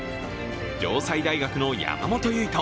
城西大学の山本唯翔。